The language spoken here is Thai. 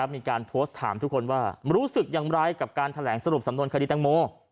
มีการโพสต์ถามทุกคนว่ารู้สึกอย่างไรกับการแถลงสรุปสำนวนคดีตังโม